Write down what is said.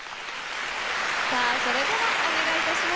さあそれではお願い致します。